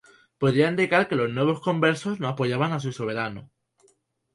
Podría indicar que los "nuevos conversos" no apoyaban a su soberano.